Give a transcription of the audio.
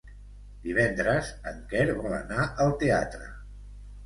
Divendres en Quer vol anar al teatre.